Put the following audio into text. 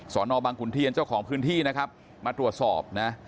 นอบังขุนเทียนเจ้าของพื้นที่นะครับมาตรวจสอบนะ